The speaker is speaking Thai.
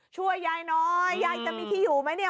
ช่วยยายน้อยยายจะมีที่อยู่ไหมเนี่ย